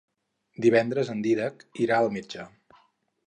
Divendres en Dídac irà al metge.